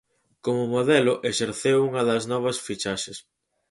Como modelo exerceu unha das novas fichaxes.